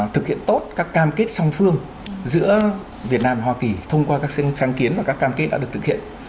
thực hiện tốt các cam kết song phương giữa việt nam và hoa kỳ thông qua các sáng kiến và các cam kết đã được thực hiện